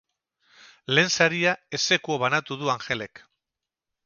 Lehen saria ex aequo banatu du Angelek.